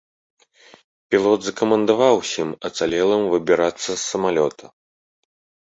Пілот закамандаваў усім ацалелым выбірацца з самалёта.